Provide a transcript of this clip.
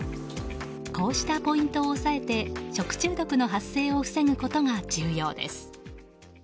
こうしたポイントを抑えて食中毒の発生を防ぐことが重要です。